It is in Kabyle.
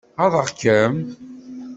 Ɣaḍeɣ-kem?